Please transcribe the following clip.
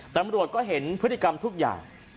ตำรวจก็เห็นพฤติกรรมทุกอย่าง